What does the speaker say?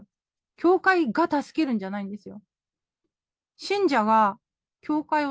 教会が助けるんじゃないんですよ。